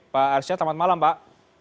pak arsyad selamat malam pak